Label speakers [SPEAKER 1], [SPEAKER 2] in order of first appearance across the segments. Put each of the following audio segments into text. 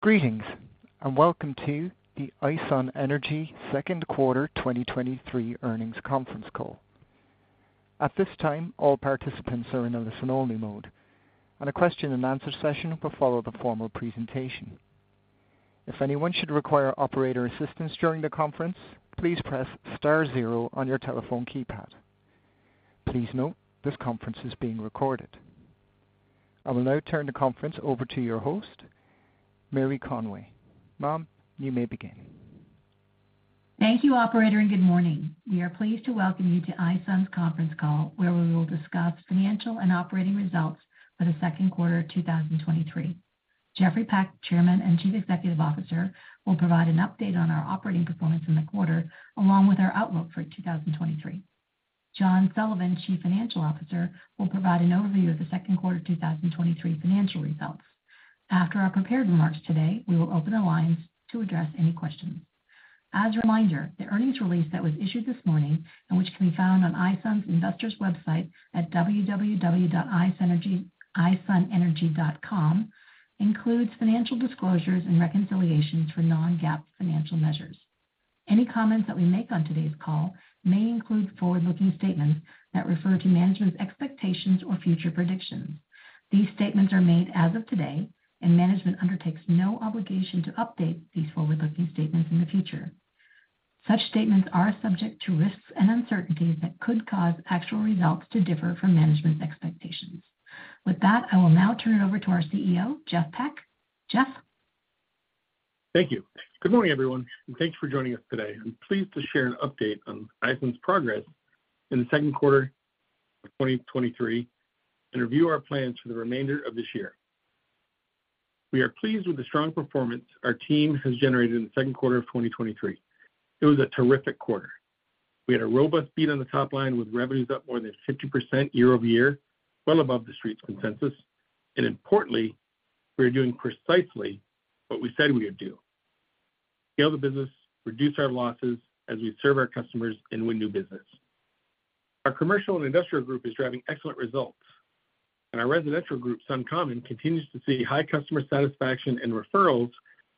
[SPEAKER 1] Greetings. Welcome to the iSun Energy Q2 2023 earnings conference call. At this time, all participants are in a listen-only mode, and a Q&A session will follow the formal presentation. If anyone should require operator assistance during the conference, please press star zero on your telephone keypad. Please note, this conference is being recorded. I will now turn the conference over to your host, Mary Conway. Ma'am, you may begin.
[SPEAKER 2] Thank you, operator. Good morning. We are pleased to welcome you to iSun's conference call, where we will discuss financial and operating results for the Q2 of 2023. Jeffrey Peck, Chairman and Chief Executive Officer, will provide an update on our operating performance in the quarter, along with our outlook for 2023. John Sullivan, Chief Financial Officer, will provide an overview of the Q2 of 2023 financial results. After our prepared remarks today, we will open the lines to address any questions. As a reminder, the earnings release that was issued this morning and which can be found on iSun's investors website at www.isunenergy, isunenergy.com, includes financial disclosures and reconciliations for non-GAAP financial measures. Any comments that we make on today's call may include forward-looking statements that refer to management's expectations or future predictions. These statements are made as of today, and management undertakes no obligation to update these forward-looking statements in the future. Such statements are subject to risks and uncertainties that could cause actual results to differ from management's expectations. With that, I will now turn it over to our CEO, Jeff Peck. Jeff?
[SPEAKER 3] Thank you. Good morning, everyone, and thanks for joining us today. I'm pleased to share an update on iSun's progress in the Q2 of 2023 and review our plans for the remainder of this year. We are pleased with the strong performance our team has generated in the Q2 of 2023. It was a terrific quarter. We had a robust beat on the top line, with revenues up more than 50% year-over-year, well above the Street's consensus. Importantly, we are doing precisely what we said we would do, scale the business, reduce our losses as we serve our customers and win new business. Our commercial and industrial group is driving excellent results, and our residential group, SunCommon, continues to see high customer satisfaction and referrals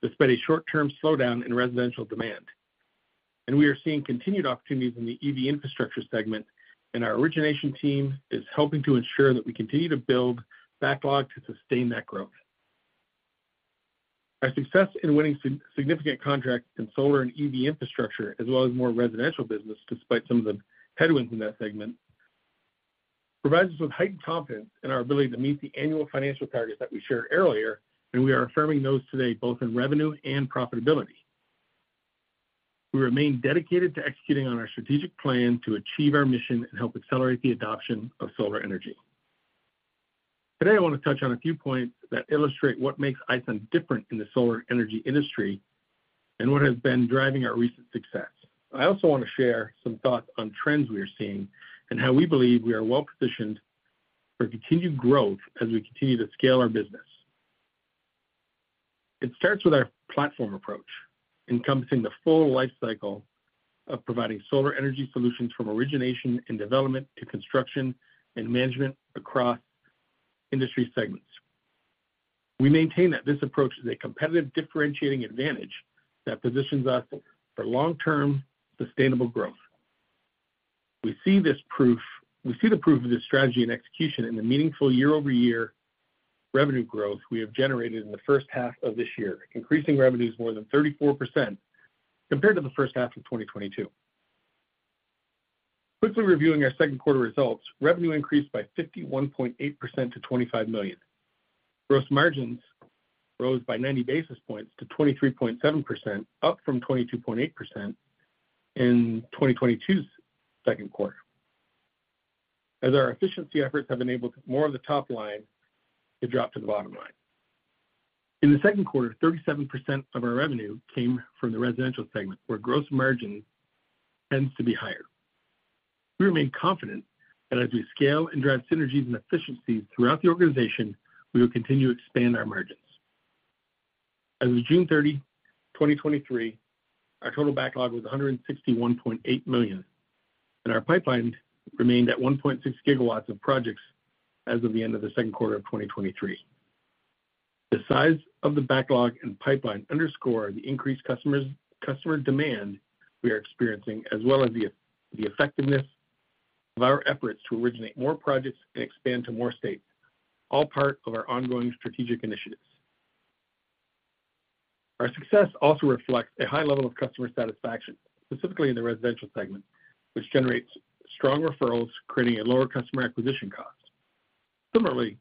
[SPEAKER 3] despite a short-term slowdown in residential demand. We are seeing continued opportunities in the EV infrastructure segment, and our origination team is helping to ensure that we continue to build backlog to sustain that growth. Our success in winning significant contracts in solar and EV infrastructure, as well as more residential business, despite some of the headwinds in that segment, provides us with heightened confidence in our ability to meet the annual financial targets that we shared earlier, and we are affirming those today, both in revenue and profitability. We remain dedicated to executing on our strategic plan to achieve our mission and help accelerate the adoption of solar energy. Today, I want to touch on a few points that illustrate what makes iSun different in the solar energy industry and what has been driving our recent success. I also want to share some thoughts on trends we are seeing and how we believe we are well-positioned for continued growth as we continue to scale our business. It starts with our platform approach, encompassing the full life cycle of providing solar energy solutions from origination and development to construction and management across industry segments. We maintain that this approach is a competitive differentiating advantage that positions us for long-term, sustainable growth. We see the proof of this strategy and execution in the meaningful year-over-year revenue growth we have generated in the H1 of this year, increasing revenues more than 34% compared to the H1 of 2022. Quickly reviewing our Q2 results, revenue increased by 51.8% to $25 million. Gross margins rose by 90 basis points to 23.7%, up from 22.8% in 2022's Q2. Our efficiency efforts have enabled more of the top line to drop to the bottom line. In the Q2, 37% of our revenue came from the residential segment, where gross margin tends to be higher. We remain confident that as we scale and drive synergies and efficiencies throughout the organization, we will continue to expand our margins. As of June 30, 2023, our total backlog was $161.8 million, and our pipeline remained at 1.6 gigawatts of projects as of the end of the Q2 of 2023. The size of the backlog and pipeline underscore the increased customer demand we are experiencing, as well as the effectiveness of our efforts to originate more projects and expand to more states, all part of our ongoing strategic initiatives. Our success also reflects a high level of customer satisfaction, specifically in the residential segment, which generates strong referrals, creating a lower customer acquisition cost. Similarly,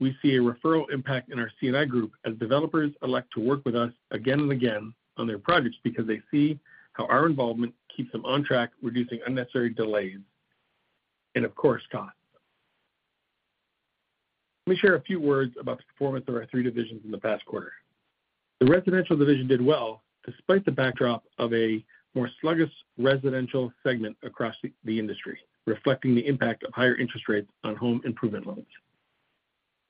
[SPEAKER 3] we see a referral impact in our C&I group as developers elect to work with us again and again on their projects because they see how our involvement keeps them on track, reducing unnecessary delays and of course, costs. Let me share a few words about the performance of our 3 divisions in the past quarter. The residential division did well, despite the backdrop of a more sluggish residential segment across the, the industry, reflecting the impact of higher interest rates on home improvement loans.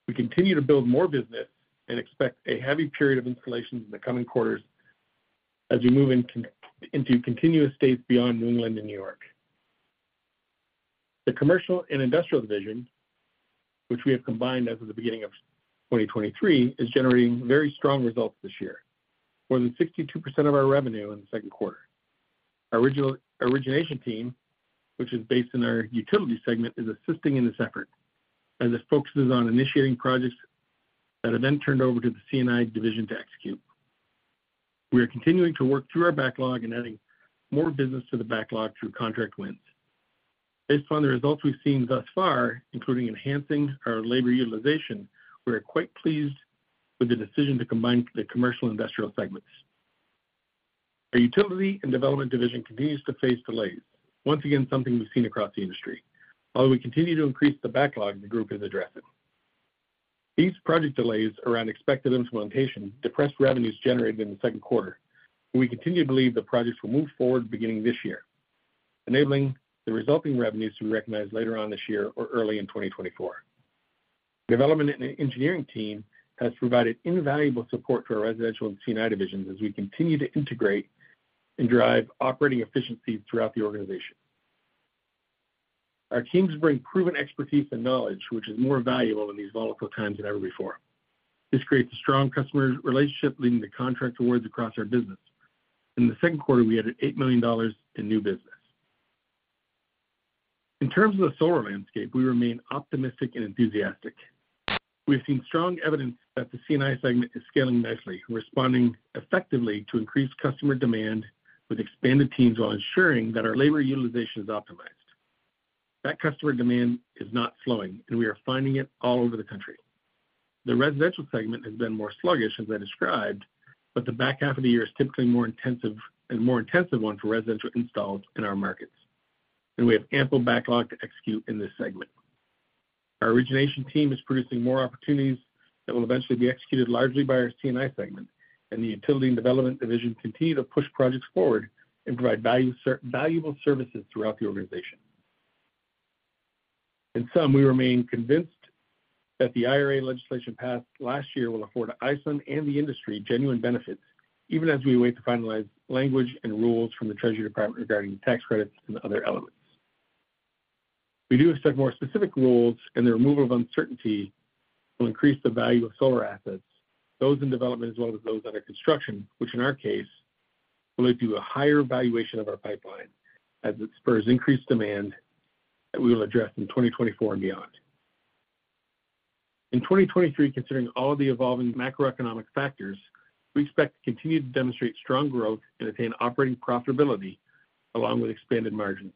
[SPEAKER 3] We continue to build more business and expect a heavy period of installations in the coming quarters as we move into, into contiguous states beyond New England and New York. The commercial and industrial division, which we have combined as of the beginning of 2023, is generating very strong results this year, more than 62% of our revenue in the Q2. Our origination team, which is based in our utility segment, is assisting in this effort, as this focuses on initiating projects that are then turned over to the C&I division to execute. We are continuing to work through our backlog and adding more business to the backlog through contract wins. Based on the results we've seen thus far, including enhancing our labor utilization, we are quite pleased with the decision to combine the commercial and industrial segments. The utility and development division continues to face delays. Once again, something we've seen across the industry. While we continue to increase the backlog, the group is addressing. These project delays around expected implementation, depressed revenues generated in the Q2, but we continue to believe the projects will move forward beginning this year, enabling the resulting revenues to be recognized later on this year or early in 2024. Development and engineering team has provided invaluable support to our residential and C&I divisions as we continue to integrate and drive operating efficiency throughout the organization. Our teams bring proven expertise and knowledge, which is more valuable in these volatile times than ever before. This creates a strong customer relationship, leading to contract awards across our business. In the Q2, we added $8 million in new business. In terms of the solar landscape, we remain optimistic and enthusiastic. We've seen strong evidence that the C&I segment is scaling nicely and responding effectively to increased customer demand, with expanded teams while ensuring that our labor utilization is optimized. That customer demand is not slowing. We are finding it all over the country. The residential segment has been more sluggish, as I described, the back half of the year is typically more intensive, a more intensive one for residential installs in our markets, and we have ample backlog to execute in this segment. Our origination team is producing more opportunities that will eventually be executed largely by our C&I segment, and the utility and development division continue to push projects forward and provide valuable services throughout the organization. In sum, we remain convinced that the IRA legislation passed last year will afford iSun and the industry genuine benefits, even as we wait to finalize language and rules from the Treasury Department regarding tax credits and other elements. We do expect more specific rules. The removal of uncertainty will increase the value of solar assets, those in development, as well as those under construction, which in our case, will lead to a higher valuation of our pipeline as it spurs increased demand that we will address in 2024 and beyond. In 2023, considering all of the evolving macroeconomic factors, we expect to continue to demonstrate strong growth and attain operating profitability along with expanded margins.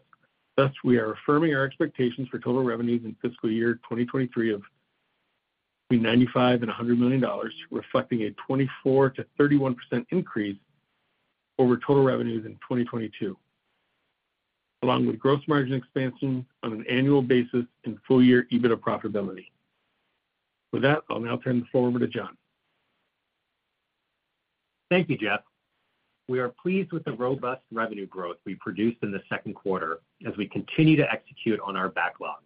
[SPEAKER 3] Thus, we are affirming our expectations for total revenues in FY 2023 of between $95 million and $100 million, reflecting a 24%-31% increase over total revenues in 2022, along with gross margin expansion on an annual basis and full-year EBITDA profitability. With that, I'll now turn the floor over to John.
[SPEAKER 4] Thank you, Jeff. We are pleased with the robust revenue growth we produced in the Q2 as we continue to execute on our backlog.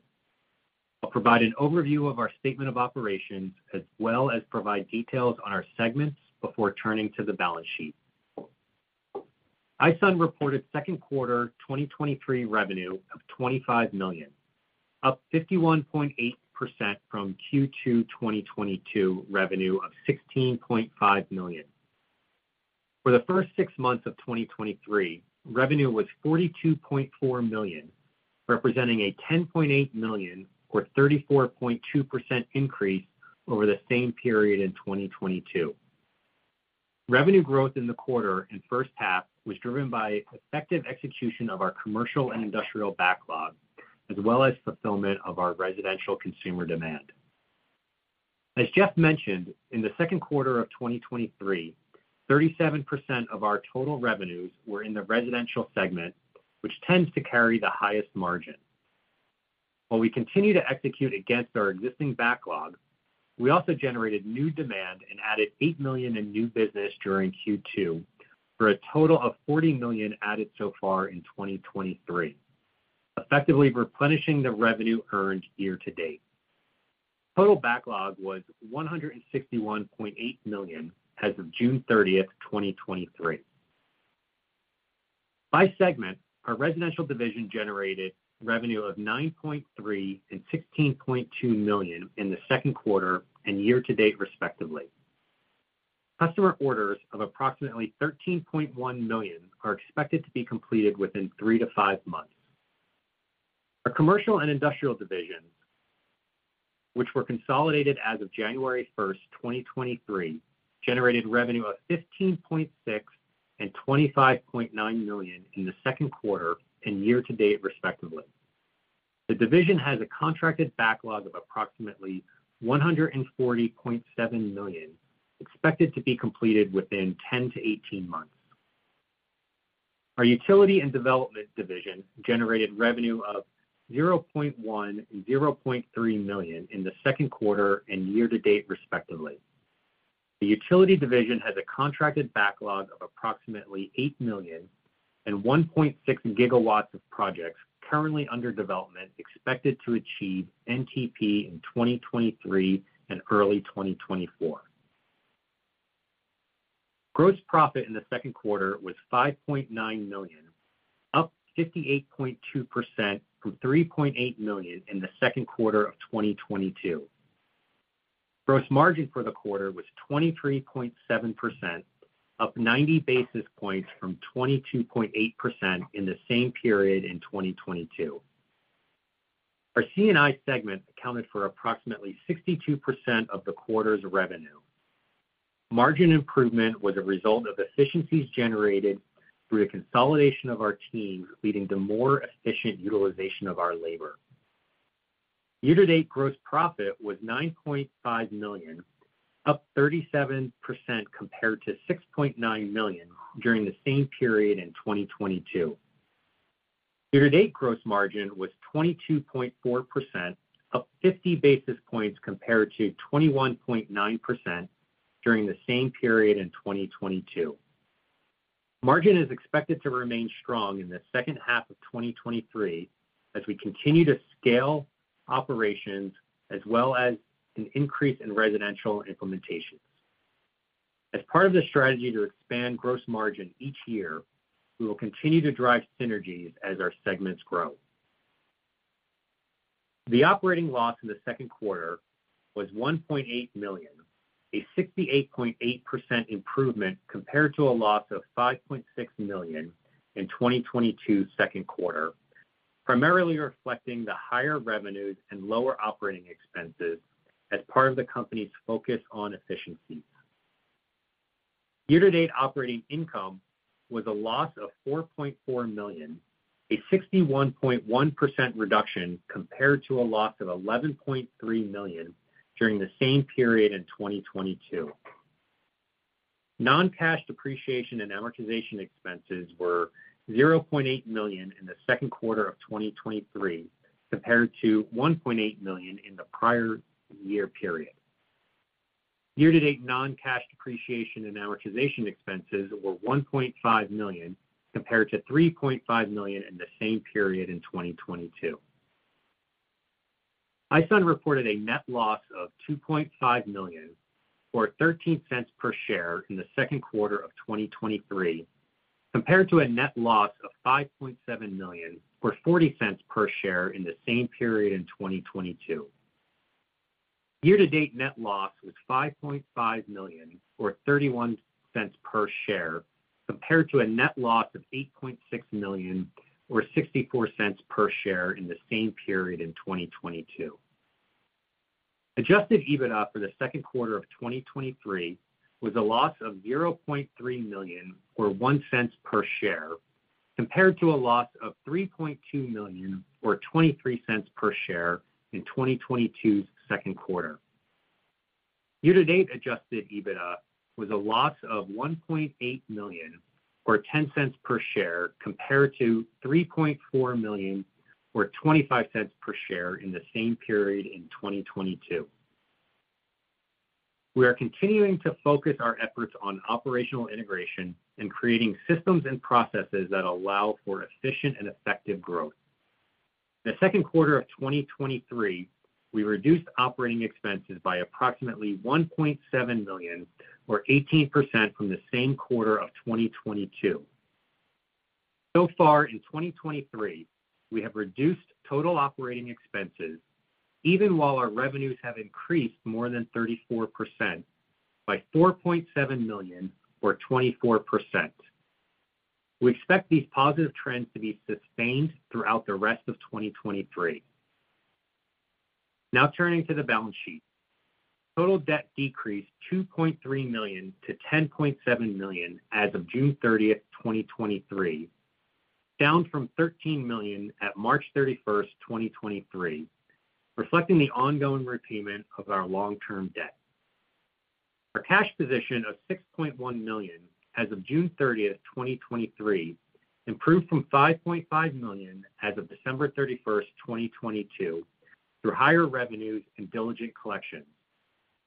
[SPEAKER 4] I'll provide an overview of our statement of operations, as well as provide details on our segments before turning to the balance sheet. iSun reported Q2 2023 revenue of $25 million, up 51.8% from Q2 2022 revenue of $16.5 million. For the first 6 months of 2023, revenue was $42.4 million, representing a $10.8 million or 34.2% increase over the same period in 2022. Revenue growth in the quarter and H1 was driven by effective execution of our commercial and industrial backlog, as well as fulfillment of our residential consumer demand. As Jeff mentioned, in the Q2 of 2023, 37% of our total revenues were in the residential segment, which tends to carry the highest margin. While we continue to execute against our existing backlog, we also generated new demand and added $8 million in new business during Q2, for a total of $40 million added so far in 2023, effectively replenishing the revenue earned year to date. Total backlog was $161.8 million as of June 30, 2023. By segment, our residential division generated revenue of $9.3 million and $16.2 million in the Q2 and year to date, respectively. Customer orders of approximately $13.1 million are expected to be completed within 3-5 months. Our commercial and industrial divisions, which were consolidated as of January 1, 2023, generated revenue of $15.6 million and $25.9 million in the Q2 and year to date, respectively. The division has a contracted backlog of approximately $140.7 million, expected to be completed within 10-18 months. Our utility and development division generated revenue of $0.1 million and $0.3 million in the Q2 and year to date, respectively. The utility division has a contracted backlog of approximately $8 million and 1.6 gigawatts of projects currently under development, expected to achieve NTP in 2023 and early 2024. Gross profit in the Q2 was $5.9 million, up 58.2% from $3.8 million in the Q2 of 2022. Gross margin for the quarter was 23.7%, up 90 basis points from 22.8% in the same period in 2022. Our C&I segment accounted for approximately 62% of the quarter's revenue. Margin improvement was a result of efficiencies generated through the consolidation of our teams, leading to more efficient utilization of our labor. Year-to-date gross profit was $9.5 million, up 37% compared to $6.9 million during the same period in 2022. Year-to-date gross margin was 22.4%, up 50 basis points compared to 21.9% during the same period in 2022. Margin is expected to remain strong in the H2 of 2023 as we continue to scale operations, as well as an increase in residential implementations. As part of the strategy to expand gross margin each year, we will continue to drive synergies as our segments grow. The operating loss in the Q2 was $1.8 million, a 68.8% improvement compared to a loss of $5.6 million in 2022 Q2, primarily reflecting the higher revenues and lower operating expenses as part of the company's focus on efficiency. Year-to-date operating income was a loss of $4.4 million, a 61.1% reduction compared to a loss of $11.3 million during the same period in 2022. Non-cash depreciation and amortization expenses were $0.8 million in the Q2 of 2023, compared to $1.8 million in the prior year period. Year-to-date non-cash depreciation and amortization expenses were $1.5 million, compared to $3.5 million in the same period in 2022. iSun reported a net loss of $2.5 million, or $0.13 per share in the Q2 of 2023, compared to a net loss of $5.7 million, or $0.40 per share in the same period in 2022. Year-to-date net loss was $5.5 million, or $0.31 per share, compared to a net loss of $8.6 million, or $0.64 per share in the same period in 2022. Adjusted EBITDA for the Q2 of 2023 was a loss of $0.3 million, or $0.01 per share, compared to a loss of $3.2 million, or $0.23 per share in 2022's Q2. Year-to-date adjusted EBITDA was a loss of $1.8 million, or $0.10 per share, compared to $3.4 million, or $0.25 per share in the same period in 2022. We are continuing to focus our efforts on operational integration and creating systems and processes that allow for efficient and effective growth. In the Q2 of 2023, we reduced operating expenses by approximately $1.7 million, or 18% from the same quarter of 2022. So far in 2023, we have reduced total operating expenses, even while our revenues have increased more than 34% by $4.7 million, or 24%. We expect these positive trends to be sustained throughout the rest of 2023. Now turning to the balance sheet. Total debt decreased $2.3 million to $10.7 million as of June 30, 2023, down from $13 million at March 31, 2023, reflecting the ongoing repayment of our long-term debt. Our cash position of $6.1 million as of June 30, 2023, improved from $5.5 million as of December 31, 2022, through higher revenues and diligent collection.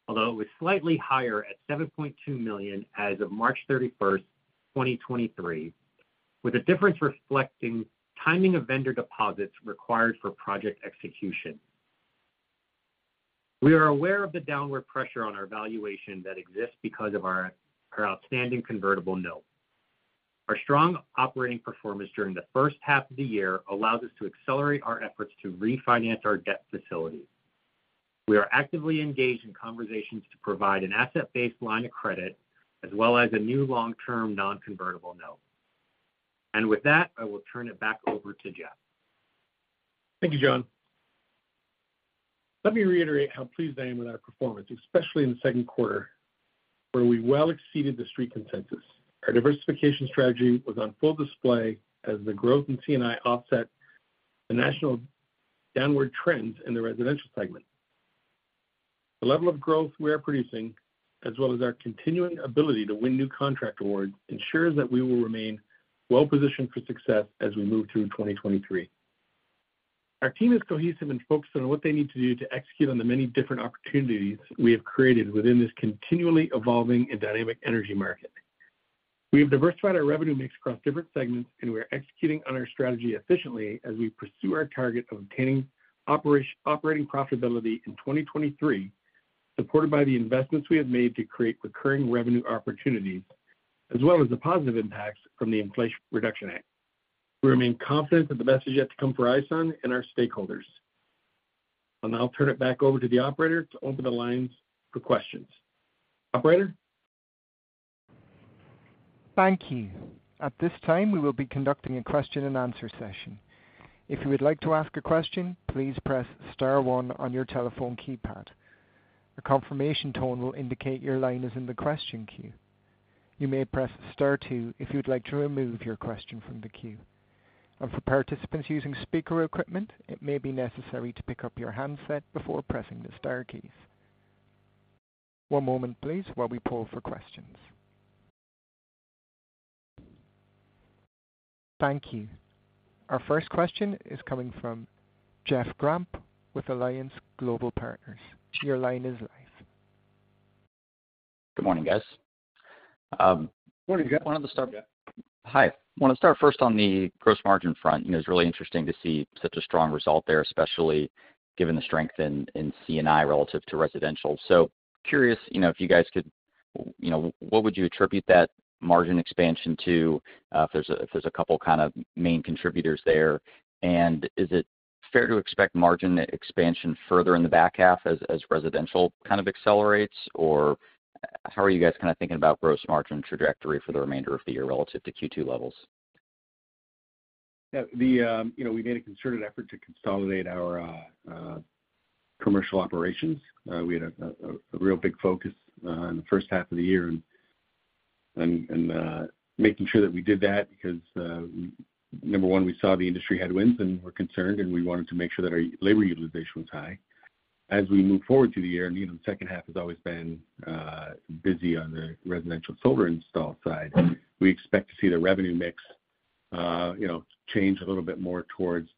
[SPEAKER 4] Although it was slightly higher at $7.2 million as of March 31, 2023, with a difference reflecting timing of vendor deposits required for project execution. We are aware of the downward pressure on our valuation that exists because of our outstanding convertible note. Our strong operating performance during the H1 of the year allows us to accelerate our efforts to refinance our debt facility. We are actively engaged in conversations to provide an asset-based line of credit, as well as a new long-term non-convertible note. With that, I will turn it back over to Jeff.
[SPEAKER 3] Thank you, John. Let me reiterate how pleased I am with our performance, especially in the Q2, where we well exceeded the street consensus. Our diversification strategy was on full display as the growth in C&I offset the national downward trends in the residential segment. The level of growth we are producing, as well as our continuing ability to win new contract awards, ensures that we will remain well positioned for success as we move through 2023. Our team is cohesive and focused on what they need to do to execute on the many different opportunities we have created within this continually evolving and dynamic energy market. We have diversified our revenue mix across different segments, and we are executing on our strategy efficiently as we pursue our target of obtaining operating profitability in 2023, supported by the investments we have made to create recurring revenue opportunities, as well as the positive impacts from the Inflation Reduction Act. We remain confident that the best is yet to come for iSun and our stakeholders. I'll now turn it back over to the operator to open the lines for questions. Operator?
[SPEAKER 1] Thank you. At this time, we will be conducting a Q&A session. If you would like to ask a question, please press star one on your telephone keypad. A confirmation tone will indicate your line is in the question queue. You may press star 2 if you'd like to remove your question from the queue. For participants using speaker equipment, it may be necessary to pick up your handset before pressing the star keys. One moment please, while we pull for questions. Thank you. Our first question is coming from Jeff Grampp with Alliance Global Partners. Your line is live.
[SPEAKER 5] Good morning, guys.
[SPEAKER 3] Morning, Jeff.
[SPEAKER 5] I want to start first on the gross margin front. You know, it's really interesting to see such a strong result there, especially given the strength in, in C&I relative to residential. Curious, you know, if you guys could, you know, what would you attribute that margin expansion to, if there's a, if there's a couple kind of main contributors there? Is it fair to expect margin expansion further in the back half as, as residential kind of accelerates? How are you guys kind of thinking about gross margin trajectory for the remainder of the year relative to Q2 levels?
[SPEAKER 3] Yeah, the, you know, we made a concerted effort to consolidate our commercial operations. We had a real big focus in the H1 of the year and making sure that we did that because number one, we saw the industry headwinds, and we're concerned, and we wanted to make sure that our labor utilization was high. As we move forward through the year, you know, the H2 has always been busy on the residential solar install side, we expect to see the revenue mix, you know, change a little bit more towards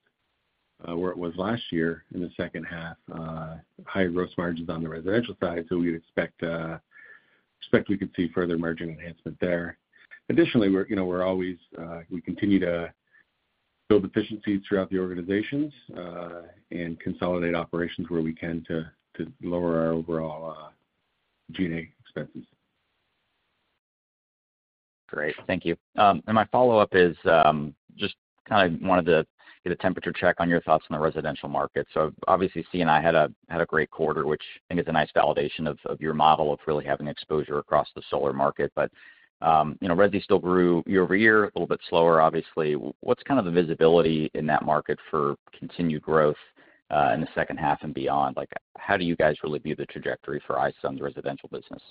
[SPEAKER 3] where it was last year in the H2, higher gross margins on the residential side. We'd expect, expect we could see further margin enhancement there. Additionally, we're, you know, we're always... We continue to build efficiency throughout the organizations, and consolidate operations where we can to, to lower our overall, G&A expenses.
[SPEAKER 5] Great. Thank you. My follow-up is, just kind of wanted to get a temperature check on your thoughts on the residential market. Obviously, C&I had a, had a great quarter, which I think is a nice validation of, of your model of really having exposure across the solar market. You know, resi still grew year-over-year, a little bit slower, obviously. What's kind of the visibility in that market for continued growth, in the H2 and beyond? Like, how do you guys really view the trajectory for iSun's residential business?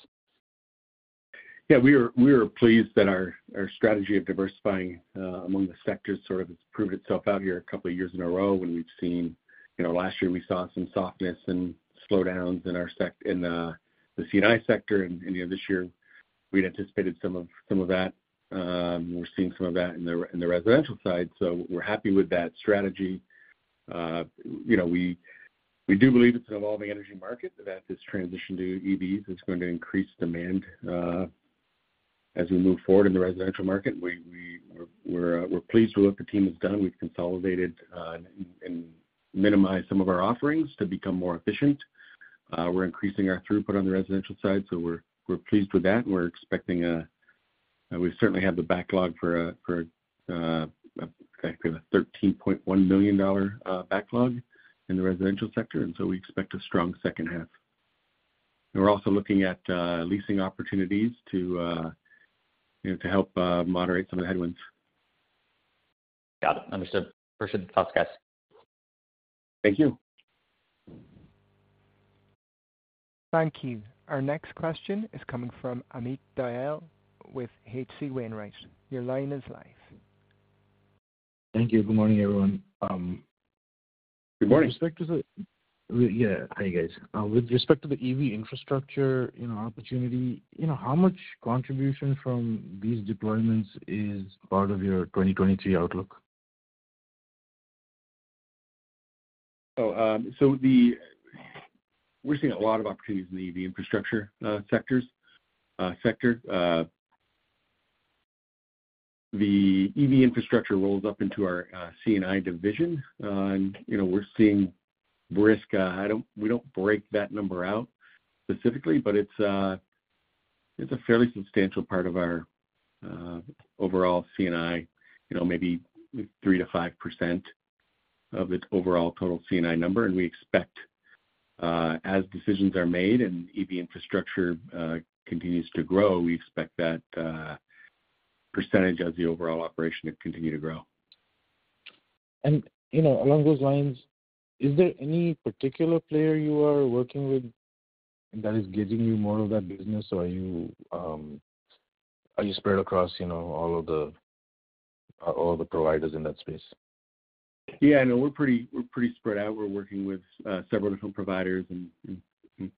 [SPEAKER 3] Yeah, we are, we are pleased that our, our strategy of diversifying, among the sectors sort of has proved itself out here a couple of years in a row, when we've seen, you know, last year we saw some softness and slowdowns in our in, the C&I sector. You know, this year we'd anticipated some of, some of that. We're seeing some of that in the, in the residential side, so we're happy with that strategy. You know, we, we do believe it's an evolving energy market, that this transition to EVs is going to increase demand, as we move forward in the residential market. We, we, we're, we're pleased with what the team has done. We've consolidated, and, and minimized some of our offerings to become more efficient. We're increasing our throughput on the residential side, so we're, we're pleased with that, and we're expecting. We certainly have the backlog for a, for a, I think a $13.1 million backlog in the residential sector. We expect a strong H2. We're also looking at leasing opportunities to, you know, to help moderate some of the headwinds.
[SPEAKER 5] Got it. Understood. Appreciate the thoughts, guys.
[SPEAKER 3] Thank you.
[SPEAKER 1] Thank you. Our next question is coming from Amit Dayal with H.C. Wainwright & Co. Your line is live.
[SPEAKER 6] Thank you. Good morning, everyone.
[SPEAKER 3] Good morning.
[SPEAKER 6] With respect to the... Yeah, hi, guys. With respect to the EV infrastructure, you know, opportunity, you know, how much contribution from these deployments is part of your 2023 outlook?
[SPEAKER 3] We're seeing a lot of opportunities in the EV infrastructure sectors, sector. The EV infrastructure rolls up into our C&I division. You know, we're seeing risk. We don't break that number out specifically, but it's, it's a fairly substantial part of our overall C&I, you know, maybe 3%-5% of its overall total C&I number. We expect, as decisions are made and EV infrastructure continues to grow, we expect that percentage of the overall operation to continue to grow.
[SPEAKER 6] You know, along those lines, is there any particular player you are working with that is getting you more of that business, or are you, are you spread across, you know, all of the, all the providers in that space?
[SPEAKER 3] Yeah, I know we're pretty, we're pretty spread out. We're working with several different providers and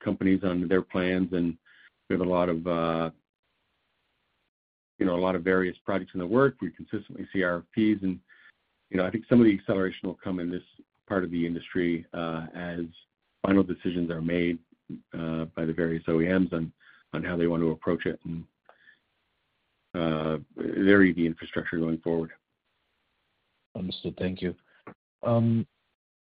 [SPEAKER 3] companies on their plans, and we have a lot of, you know, a lot of various projects in the works. We consistently see RFP and, you know, I think some of the acceleration will come in this part of the industry. Final decisions are made by the various OEM on how they want to approach it and vary the infrastructure going forward.
[SPEAKER 6] Understood. Thank you.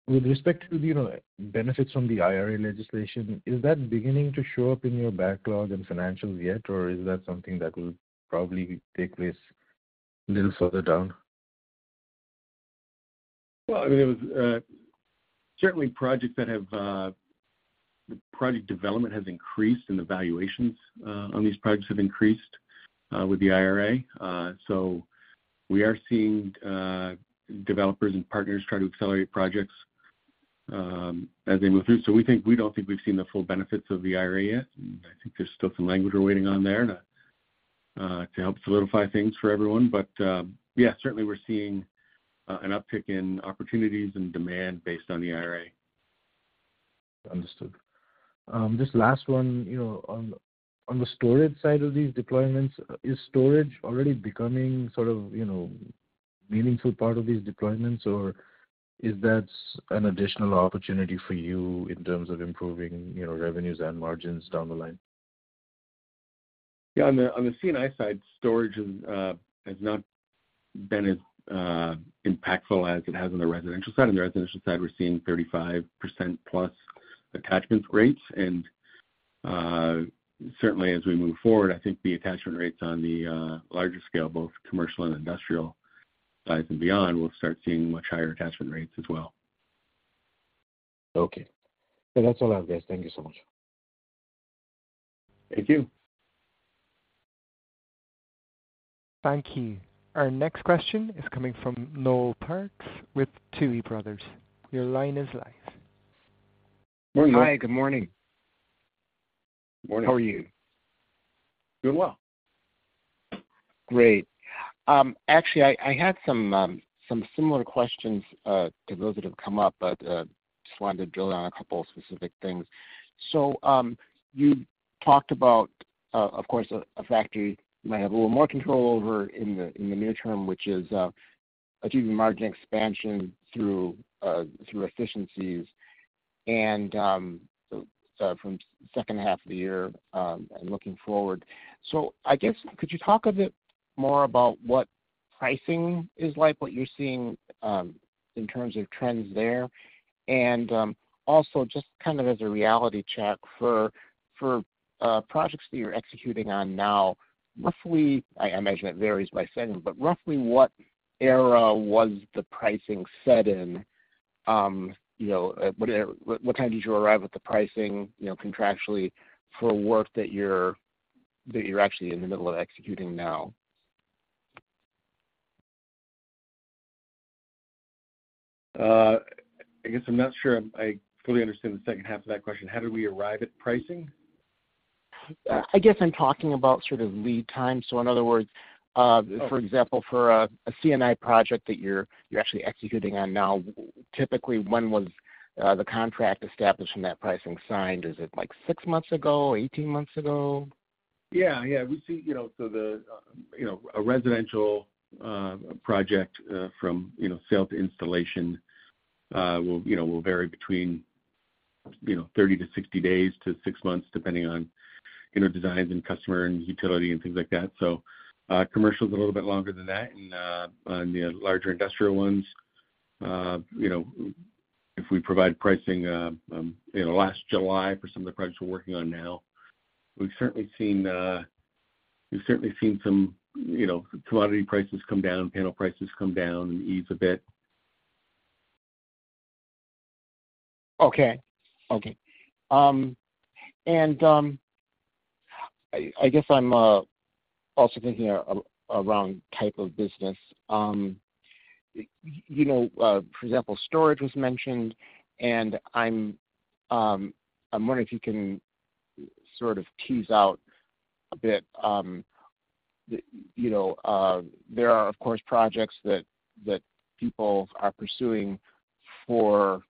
[SPEAKER 6] With respect to the, you know, benefits from the IRA legislation, is that beginning to show up in your backlog and financials yet, or is that something that will probably take place a little further down?
[SPEAKER 3] Well, I mean, it was certainly projects that have project development has increased, and the valuations on these projects have increased with the IRA. We are seeing developers and partners try to accelerate projects as they move through. We don't think we've seen the full benefits of the IRA yet. I think there's still some language we're waiting on there to help solidify things for everyone. Yeah, certainly we're seeing an uptick in opportunities and demand based on the IRA.
[SPEAKER 6] Understood. Just last one, you know, on, on the storage side of these deployments, is storage already becoming sort of, you know, meaningful part of these deployments, or is that an additional opportunity for you in terms of improving, you know, revenues and margins down the line?
[SPEAKER 3] Yeah, on the, on the C&I side, storage is has not been as impactful as it has on the residential side. On the residential side, we're seeing 35% plus attachment rates. Certainly as we move forward, I think the attachment rates on the larger scale, both commercial and industrial sides and beyond, we'll start seeing much higher attachment rates as well.
[SPEAKER 6] Okay. That's all I have, guys. Thank you so much.
[SPEAKER 3] Thank you.
[SPEAKER 1] Thank you. Our next question is coming from Noel Parks with Tuohy Brothers. Your line is live.
[SPEAKER 3] Morning, Noel.
[SPEAKER 7] Hi, good morning.
[SPEAKER 3] Morning.
[SPEAKER 7] How are you?
[SPEAKER 3] Doing well.
[SPEAKER 7] Great. Actually, I, I had some, some similar questions to those that have come up, but just wanted to drill down on a couple of specific things. You talked about, of course, a, a factor you might have a little more control over in the, in the near term, which is, achieving margin expansion through, through efficiencies, and, so from H2 of the year, and looking forward. I guess could you talk a bit more about what pricing is like, what you're seeing, in terms of trends there? Also, just kind of as a reality check for, for, projects that you're executing on now, roughly, I, I imagine it varies by segment, but roughly what era was the pricing set in? You know, what, what, what time did you arrive at the pricing, you know, contractually for work that you're, that you're actually in the middle of executing now?
[SPEAKER 3] I guess I'm not sure I fully understand the H2 of that question. How did we arrive at pricing?
[SPEAKER 7] I guess I'm talking about sort of lead time. In other words,
[SPEAKER 3] Okay.
[SPEAKER 7] For example, for a C&I project that you're actually executing on now, typically, when was the contract established from that pricing signed? Is it like 6 months ago, 18 months ago?
[SPEAKER 3] Yeah, yeah. We see, you know, so the, you know, a residential project from, you know, sale to installation, will, you know, will vary between, you know, 30-60 days to 6 months, depending on, you know, designs and customer and utility and things like that. Commercial is a little bit longer than that. On the larger industrial ones, you know, if we provide pricing, you know, last July for some of the projects we're working on now, we've certainly seen, we've certainly seen some, you know, commodity prices come down, panel prices come down and ease a bit.
[SPEAKER 7] Okay. Okay. I, I guess I'm also thinking around type of business. You know, for example, storage was mentioned, and I'm wondering if you can sort of tease out a bit, the, you know, there are, of course, projects that, that people are pursuing for,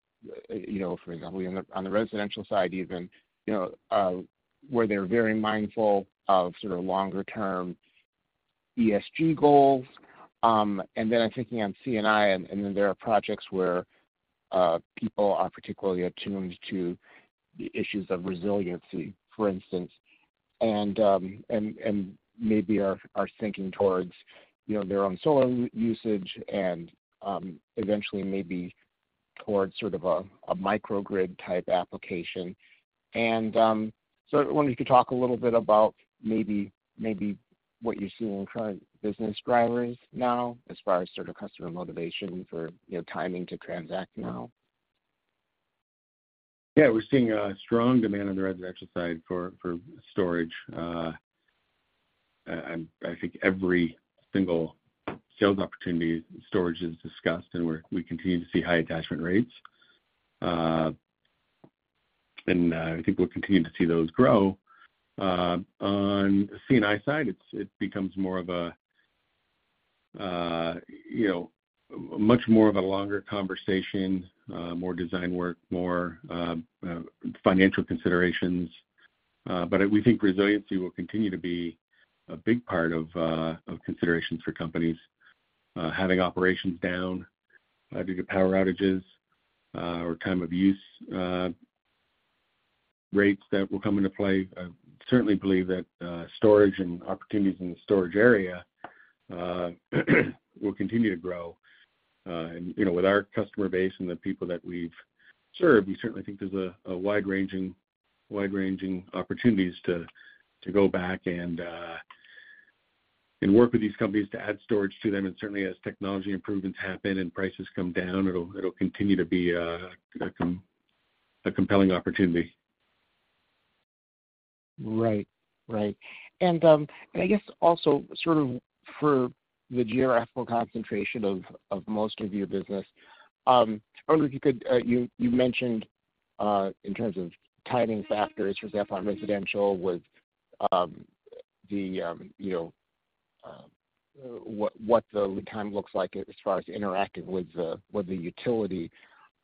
[SPEAKER 7] you know, for example, on the, on the residential side, even, you know, where they're very mindful of sort of longer term ESG goals. Then I'm thinking on C&I, and then there are projects where people are particularly attuned to the issues of resiliency, for instance, and maybe are thinking towards, you know, their own solar usage and eventually maybe towards sort of a microgrid-type application. I wonder if you could talk a little bit about maybe, maybe what you're seeing in current business drivers now, as far as sort of customer motivation for, you know, timing to transact now.
[SPEAKER 3] Yeah, we're seeing a strong demand on the residential side for, for storage. I think every single sales opportunity, storage is discussed, and we continue to see high attachment rates. I think we'll continue to see those grow. On C&I side, it becomes more of a, you know, much more of a longer conversation, more design work, more financial considerations. We think resiliency will continue to be a big part of considerations for companies, having operations down due to power outages or time of use rates that will come into play. I certainly believe that storage and opportunities in the storage area will continue to grow. You know, with our customer base and the people that we've served, we certainly think there's a wide-ranging, wide-ranging opportunities to go back and work with these companies to add storage to them. Certainly, as technology improvements happen and prices come down, it'll continue to be a compelling opportunity.
[SPEAKER 7] Right. Right. I guess also sort of for the geographical concentration of, of most of your business, I wonder if you could. You, you mentioned in terms of timing factors, for example, on residential, with the, you know, what, what the lead time looks like as far as interacting with the, with the utility.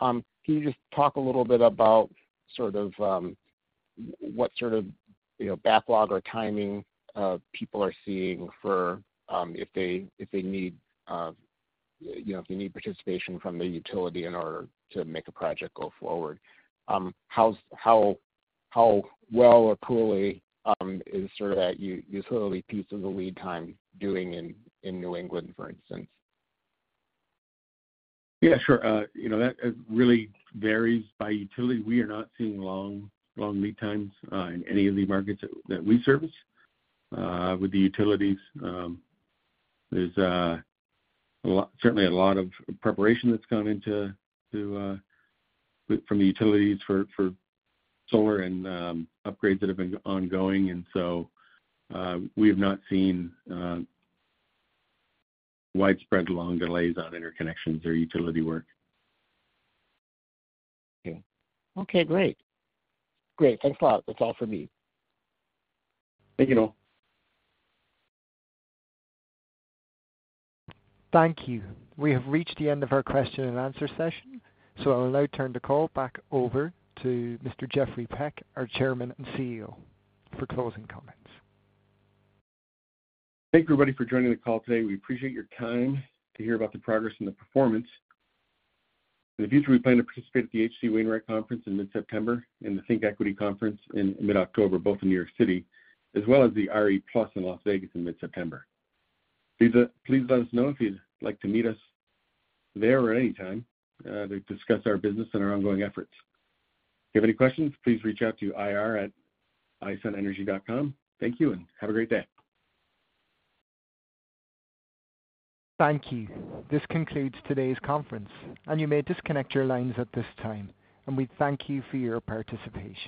[SPEAKER 7] Can you just talk a little bit about sort of, what sort of, you know, backlog or timing, people are seeing for, if they, if they need, you know, if they need participation from the utility in order to make a project go forward? How's, how, how well or poorly, is sort of that utility piece of the lead time doing in, in New England, for instance?
[SPEAKER 3] Yeah, sure. you know, that really varies by utility. We are not seeing long, long lead times in any of the markets that we service. With the utilities, there's a lot, certainly a lot of preparation that's gone into to from the utilities for for solar and upgrades that have been ongoing. So, we have not seen widespread long delays on interconnections or utility work.
[SPEAKER 7] Okay. Okay, great. Great. Thanks a lot. That's all for me.
[SPEAKER 3] Thank you, all.
[SPEAKER 1] Thank you. We have reached the end of our Q&A session. I'll now turn the call back over to Mr. Jeffrey Peck, our Chairman and CEO, for closing comments.
[SPEAKER 3] Thank you, everybody, for joining the call today. We appreciate your time to hear about the progress and the performance. In the future, we plan to participate at the H.C. Wainwright Conference in mid-September and the ThinkEquity conference in mid-October, both in New York City, as well as the RE+ in Las Vegas in mid-September. Please, please let us know if you'd like to meet us there or at any time to discuss our business and our ongoing efforts. If you have any questions, please reach out to ir@isunenergy.com. Thank you, and have a great day.
[SPEAKER 1] Thank you. This concludes today's conference. You may disconnect your lines at this time. We thank you for your participation.